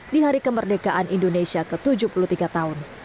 di hari kemerdekaan indonesia ke tujuh puluh tiga tahun